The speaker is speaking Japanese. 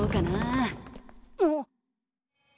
あっ。